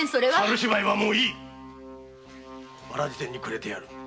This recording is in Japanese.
猿芝居はもういいワラジ銭にくれてやる。